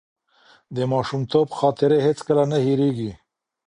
د ماشومتوب خاطرې هیڅکله نه هېرېږي.